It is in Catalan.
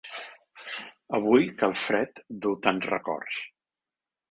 Avui que el fred du tants records.